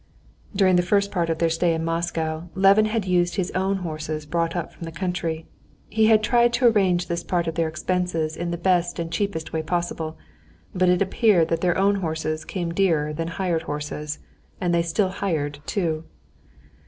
During the first part of their stay in Moscow, Levin had used his own horses brought up from the country. He had tried to arrange this part of their expenses in the best and cheapest way possible; but it appeared that their own horses came dearer than hired horses, and they still hired too.